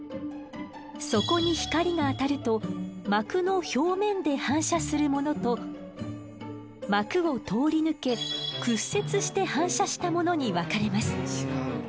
そこに光が当たると膜の表面で反射するものと膜を通り抜け屈折して反射したものに分かれます。